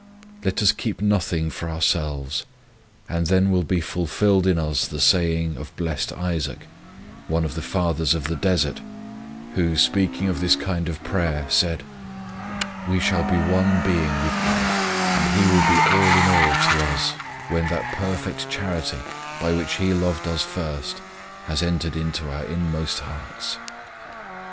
Let us keep nothing for our selves, and then will be fulfilled in us the saying of Blessed Isaac, one of the Fathers of the Desert, who, 83 On Union with God speaking of this kind of prayer, said :" We shall be one being with God, and He will be all in all to us, when that perfect charity by which He loved us first has entered into our inmost hearts."